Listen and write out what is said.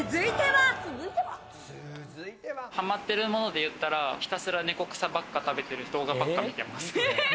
はまってるもので言ったら、ひたすら猫草ばっか食べてる動画ばっか見てます。